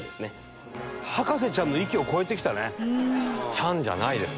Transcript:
「ちゃん」じゃないですね。